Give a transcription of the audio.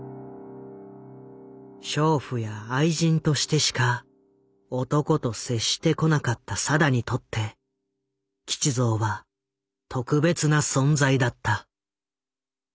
娼婦や愛人としてしか男と接してこなかった定にとって吉蔵は特別な存在だった。